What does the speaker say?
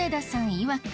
いわく